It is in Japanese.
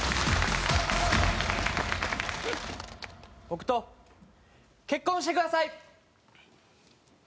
僕と結婚してください！